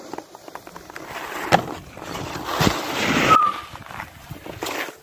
另外在一盘添上牛至香精的水中摆上银元和莲子。